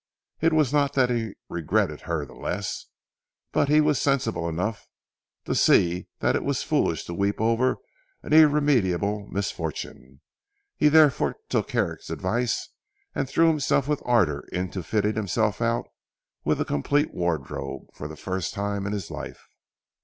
It was not that he regretted her the less, but he was sensible enough to see that it was foolish to weep over an irremediable misfortune. He therefore took Herrick's advice and threw himself with ardour into fitting himself out with a complete ward robe for the first time in his life.